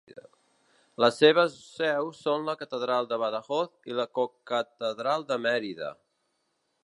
Les seves seus són la Catedral de Badajoz i la Cocatedral de Mèrida.